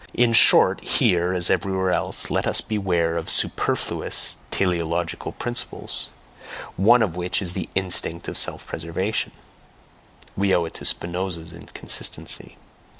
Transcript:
In short, here, as everywhere else, let us beware of SUPERFLUOUS teleological principles! one of which is the instinct of self preservation (we owe it to Spinoza's inconsistency).